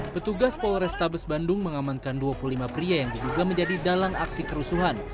petugas polrestabes bandung mengamankan dua puluh lima pria yang diduga menjadi dalang aksi kerusuhan